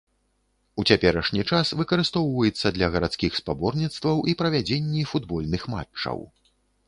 У цяперашні час выкарыстоўваецца для гарадскіх спаборніцтваў і правядзенні футбольных матчаў.